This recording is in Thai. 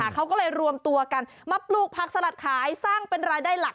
เขาก็เลยรวมตัวกันมาปลูกผักสลัดขายสร้างเป็นรายได้หลัก